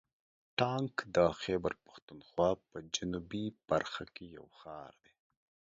ټانک د خیبر پښتونخوا په جنوبي برخه کې یو ښار دی.